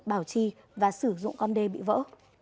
bảo trì và sử dụng con đê bị vỡ